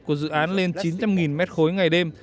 của dự án lên chín trăm linh m ba ngày đêm